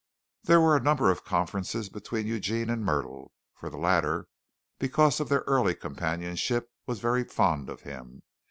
There were a number of conferences between Eugene and Myrtle, for the latter, because of their early companionship, was very fond of him.